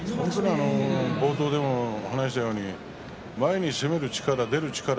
冒頭でも話したように前に攻める力、出る力